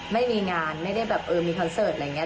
ไม่มีงานไม่ได้แบบเออมีคอนเสิร์ตอะไรอย่างนี้